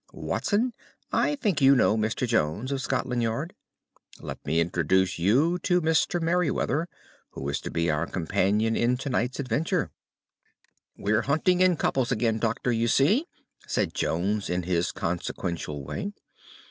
"Watson, I think you know Mr. Jones, of Scotland Yard? Let me introduce you to Mr. Merryweather, who is to be our companion in to night's adventure." "We're hunting in couples again, Doctor, you see," said Jones in his consequential way.